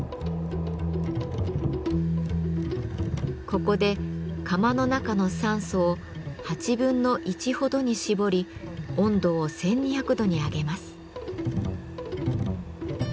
ここで窯の中の酸素をほどに絞り温度を１，２００度に上げます。